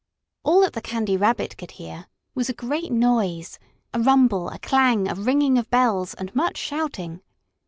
All that the Candy Rabbit could hear was a great noise, a rumble, a clang, a ringing of bells, and much shouting.